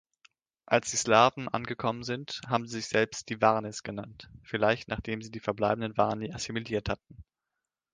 Als die Slawen angekommen sind, haben sie sich selbst die Varnes genannt, vielleicht nachdem sie die verbleibenden Varni assimiliert hatten.